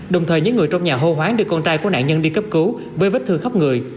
đồng thời những người trong nhà hô hoáng đưa con trai của nạn nhân đi cấp cứu với vết thương khắp người